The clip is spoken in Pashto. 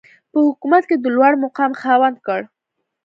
په حکومت کې د لوړمقام خاوند کړ.